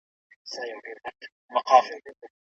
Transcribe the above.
د بدن لپاره مېوې ډېره ګټه لري.